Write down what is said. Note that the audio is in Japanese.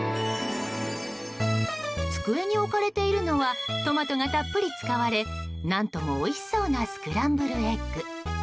机に置かれているのはトマトがたっぷり使われ何ともおいしそうなスクランブルエッグ。